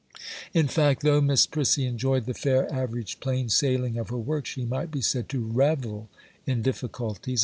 In fact, though Miss Prissy enjoyed the fair average plain sailing of her work, she might be said to revel in difficulties.